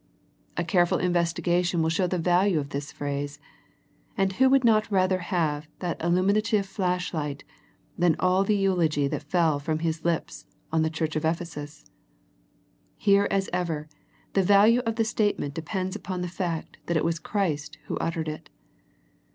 A careful investigation will show the value of this phrase, and who would not rather have that illuminative flash light than all the eulogy that fell from His lips on the church at Ephesus ? Here as ever, the value of the statement depends upon the fact that it was Christ Who uttered it.